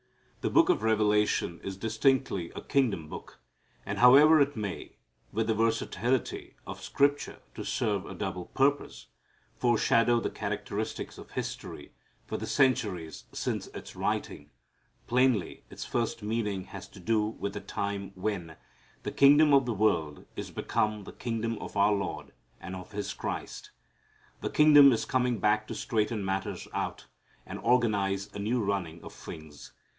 The book of Revelation is distinctly a kingdom book, and however it may, with the versatility of Scripture to serve a double purpose, foreshadow the characteristics of history for the centuries since its writing, plainly its first meaning has to do with the time when "the kingdom of the world is become the kingdom of our Lord and of His Christ." The King is coming back to straighten matters out, and organize a new running of things.